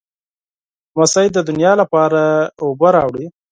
لمسی د نیا لپاره اوبه راوړي.